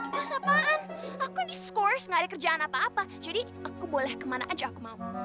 kas apaan aku yang di scores gak ada kerjaan apa apa jadi aku boleh kemana aja aku mau